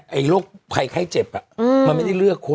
ตั้งแต่ไม่ใช่ให้ไปดี